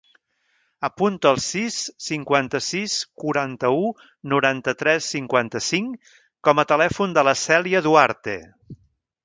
Apunta el sis, cinquanta-sis, quaranta-u, noranta-tres, cinquanta-cinc com a telèfon de la Cèlia Duarte.